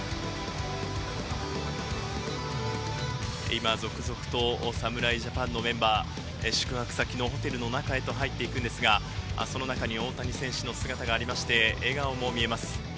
今、続々と侍ジャパンのメンバー、宿泊先のホテルの中へと入っていくんですが、その中に大谷選手の姿がありまして、笑顔も見えます。